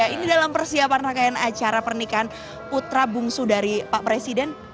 ini dalam persiapan rangkaian acara pernikahan putra bungsu dari pak presiden